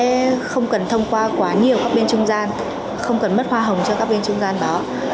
họ sẽ không cần thông qua quá nhiều các bên trung gian không cần mất hoa hồng cho các bên trung gian đó